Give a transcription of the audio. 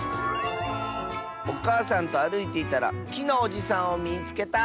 「おかあさんとあるいていたらきのおじさんをみつけた！」。